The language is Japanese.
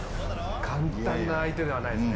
簡単な相手ではないですね。